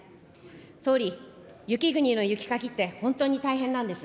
総理、雪国の雪かきって本当に大変なんです。